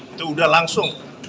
itu udah langsung